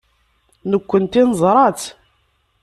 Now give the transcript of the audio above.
Nekkenti neẓra-tt.